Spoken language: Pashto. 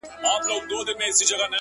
• خوشحال بلله پښتانه د لندو خټو دېوال,